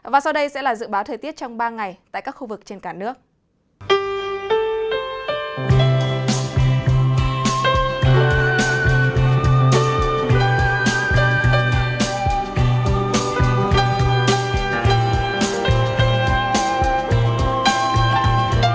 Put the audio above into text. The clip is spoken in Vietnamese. và sau đây sẽ là dự báo thời tiết trong ba ngày tại các khu vực trên cả nước